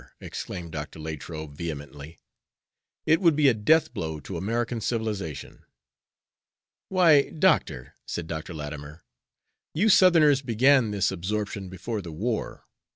exclaimed Dr. Latrobe, vehemently. "It would be a death blow to American civilization." "Why, Doctor," said Dr. Latimer, "you Southerners began this absorption before the war.